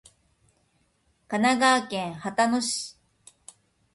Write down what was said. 神奈川県秦野市